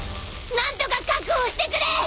何とか確保してくれ！